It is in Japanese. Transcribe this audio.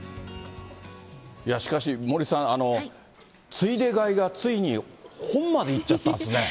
しかし、森さん、ついで買いが、ついに本までいっちゃったんですね。